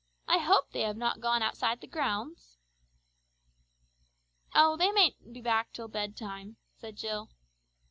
I hope they have not gone outside the grounds!" "Oh, they mayn't be back till bed time," said Jill.